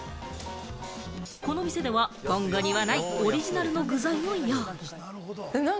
この店では、ぼんごにはないオリジナルの具材を用意。